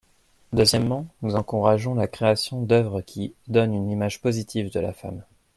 Deuxièmement, nous encourageons la création d’œuvres qui donnent une image positive de la femme.